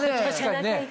確かにね。